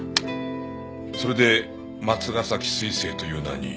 それで松ヶ崎彗星という名に。